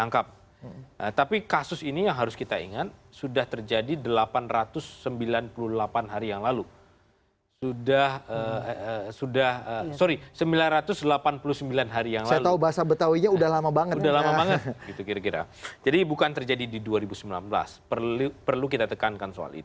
kpk secara kelembagaan dipersekusi